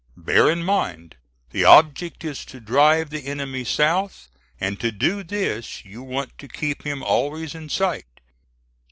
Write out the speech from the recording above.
"Bear in mind, the object is to drive the enemy south; and to do this you want to keep him always in sight.